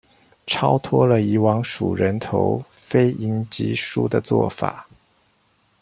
超脫了以往數人頭、非贏即輸的做法